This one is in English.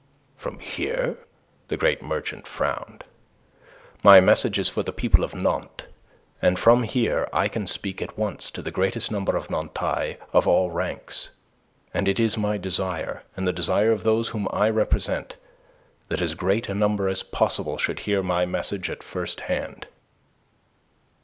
"From here?" The great merchant frowned. "My message is for the people of Nantes, and from here I can speak at once to the greatest number of Nantais of all ranks, and it is my desire and the desire of those whom I represent that as great a number as possible should hear my message at first hand."